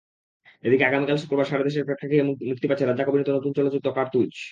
এদিকে আগামীকাল শুক্রবার সারা দেশের প্রেক্ষাগৃহে মুক্তি পাচ্ছে রাজ্জাক অভিনীত নতুন চলচ্চিত্র কার্তুজ।